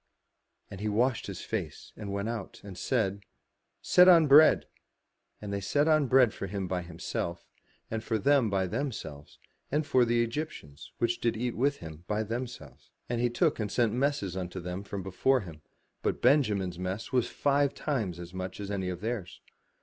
And he washed his face and went out, and said, " Set on bread." And they set on for him by himself, and for them by themselves, and for the Egyptians, which did eat with him, by themselves. And he took and sent messes unto them from before him, but Benjamin's mess was five times as much as any of theirs.